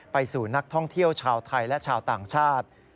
สู่นักท่องเที่ยวชาวไทยและชาวต่างชาติ